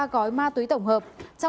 ba gói ma túy tổng hợp